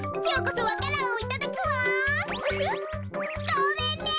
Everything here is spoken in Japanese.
ごめんね。